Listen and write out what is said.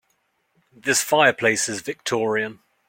This fireplace is victorian.